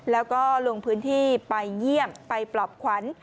แล้วก็ลงพื้นที่ไปเยี่ยมไปปลอบขวัญ